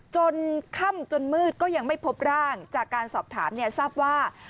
จนค่ำจนมืดก็ยังไม่พบร่างจากการสอบถามเนี่ยทราบว่า